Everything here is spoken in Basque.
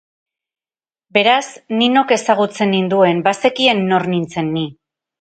Beraz, Ninok ezagutzen ninduen, bazekien nor nintzen ni.